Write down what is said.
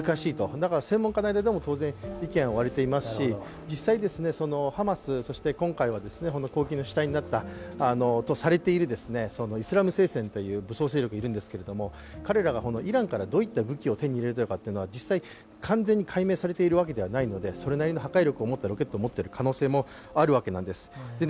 だから専門家の間でも当然、意見は割れていますし実際、ハマス、そして今回はイスラム聖戦という武装勢力があるんですけど彼らがどうやって武器を手に入れたのか実際、完全に解明されているわけではないのでそれなりの破壊力を持ってるロケットを持っている可能性もあるわけなんです。